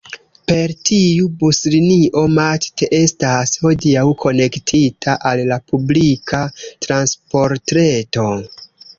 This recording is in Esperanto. Per tiu buslinio Matt estas hodiaŭ konektita al la publika transportreto.